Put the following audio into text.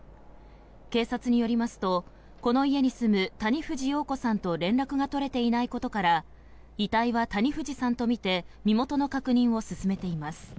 警察によりますと、この家に住む谷藤洋子さんと連絡が取れていないことから遺体は谷藤さんとみて身元の確認を進めています。